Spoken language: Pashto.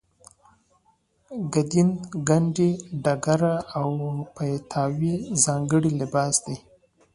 ګدین ګنډۍ ډیګره او پایتاوې ځانګړی لباس دی.